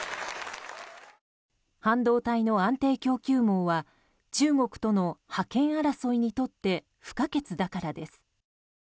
半導体の安定供給網は中国との覇権争いにとって不可欠だからです。